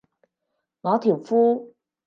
我條褲